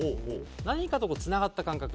何かとつながった感覚。